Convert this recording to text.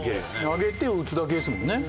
投げて打つだけですもんね。